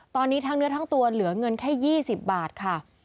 ตอนนี้ทั้งเนื้อทั้งตัวเหลือเงินแค่๒๐บาทค่ะ